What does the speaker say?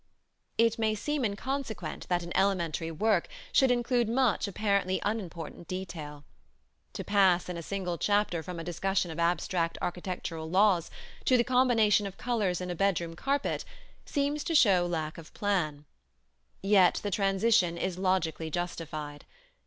It may seem inconsequent that an elementary work should include much apparently unimportant detail. To pass in a single chapter from a discussion of abstract architectural laws to the combination of colors in a bedroom carpet seems to show lack of plan; yet the transition is logically justified.